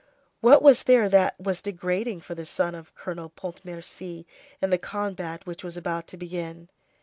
What was there that was degrading for the son of Colonel Pontmercy in the combat which was about to begin?